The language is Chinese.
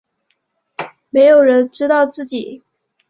没有人知道自己